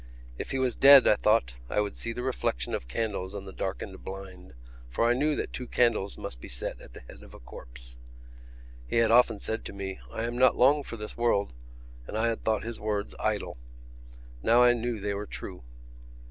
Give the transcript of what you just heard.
If he was dead, I thought, I would see the reflection of candles on the darkened blind for I knew that two candles must be set at the head of a corpse. He had often said to me: "I am not long for this world," and I had thought his words idle. Now I knew they were true.